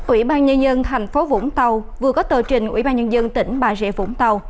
ủy ban nhân dân tp vũng tàu vừa có tờ trình ủy ban nhân dân tỉnh bà rệ vũng tàu